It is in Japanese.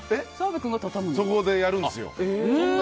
そこでやるんですよ。